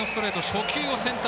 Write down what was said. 初球をセンター